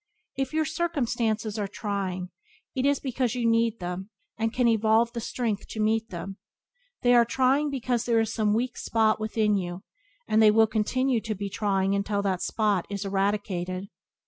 If your circumstances are "trying" it is because you need them and can evolve the strength to meet them. They are trying because there is some weak spot within you, and they will continue to be trying until that spot is eradicated.